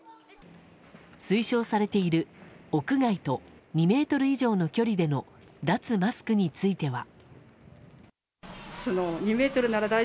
推奨されている屋外と２ｍ以上の距離での脱マスクについては。